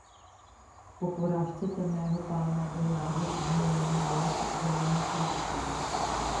Po porážce Temného pána byl název změněn na Les zelených listů.